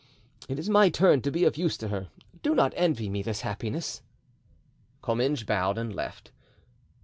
It is my turn to be of use to her; do not envy me this happiness." Comminges bowed and left.